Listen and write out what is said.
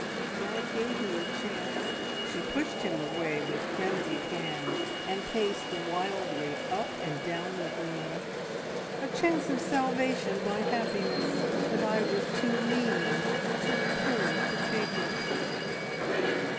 God gave me a chance " she pushed him away with frenzied hands and paced wildly, up and down the room "a chance of salvation by happiness, and I was too mean, too poor to take it.